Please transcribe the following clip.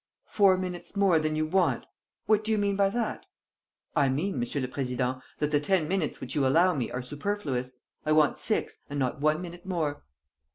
"Four minutes more than you want? What do you mean by that?" "I mean, Monsieur le Président, that the ten minutes which you allow me are superfluous. I want six, and not one minute more."